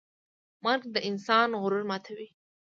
مرګ د انسان غرور ماتوي.